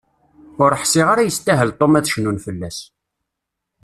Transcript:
Ur ḥsiɣ ara yestahel Tom ad cnun fell-as.